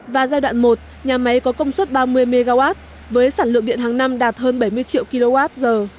và giai đoạn một nhà máy có công suất ba mươi mw với sản lượng điện hàng năm đạt hơn bảy mươi triệu kwh